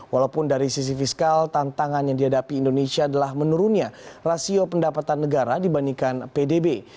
walaupun dari sisi fiskal tantangan yang dihadapi indonesia adalah menurunnya rasio pendapatan negara dibandingkan pdb